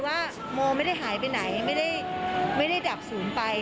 ว่าโมไม่ได้หายไปไหนไม่ได้ดับศูนย์ไป